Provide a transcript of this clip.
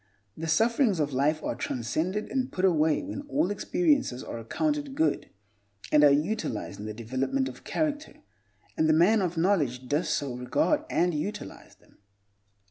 The sufferings of life are transcended and put away when all experiences are accounted good, and are utilized in the development of character, and the man of knowledge does so regard and utilize them.